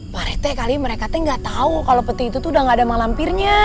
pare teh kali ini mereka gak tau kalo peti itu udah gak ada malam pirnya